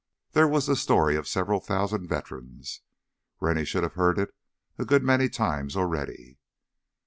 There was the story of several thousand veterans. Rennie should have heard it a good many times already.